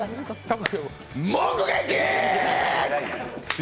目撃！